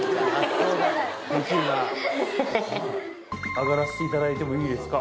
上がらせていただいてもいいですか。